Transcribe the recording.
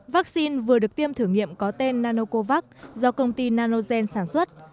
vaccine vừa được tiêm thử nghiệm có tên nanocovax do công ty nanogen sản xuất